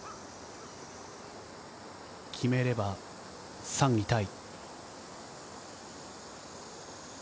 決めれば３位タイ。